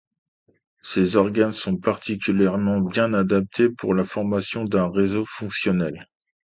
Ces organes sont particulièrement bien adaptés pour la formation d’un réseau fonctionnel.